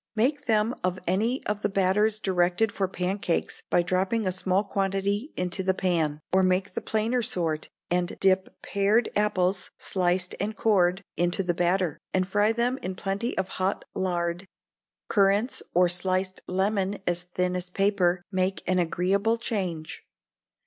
Make them of any of the batters directed for pancakes, by dropping a small quantity into the pan; or make the plainer sort, and dip pared apples, sliced and cored, into the batter, and fry them in plenty of hot lard. Currants, or sliced lemon as thin as paper, make an agreeable change.